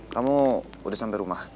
kamu udah sampai rumah